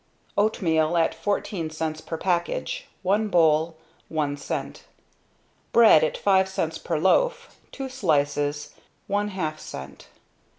Oatmeal at fourteen cents per package, one bowl, one cent. Bread at five cents per loaf, two slices, one half cent.